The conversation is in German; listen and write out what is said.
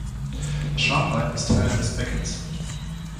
Das Schambein ist Teil des Beckens.